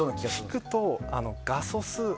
引くと、画素数。